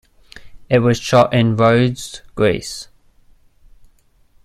It was shot in Rhodes, Greece.